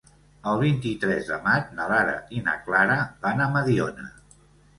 El vint-i-tres de maig na Lara i na Clara van a Mediona.